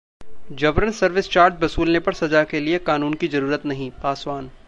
जबरन service charge वसूलने पर सजा के लिए कानून की जरूरत नहीं: पासवान